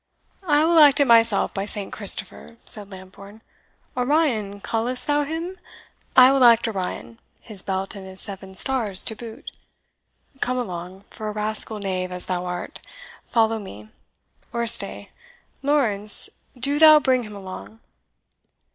"I will act it myself by Saint Christopher!" said Lambourne. "Orion, callest thou him? I will act Orion, his belt and his seven stars to boot. Come along, for a rascal knave as thou art follow me! Or stay Lawrence, do thou bring him along."